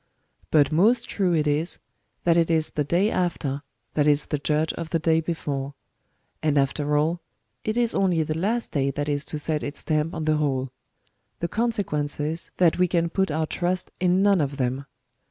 But most true it is, that it is the day after, that is the judge of the day before ; and after all, it is only the last day that is to set its stamp on the whole ; the consequence is, that we can put our trust in none of them.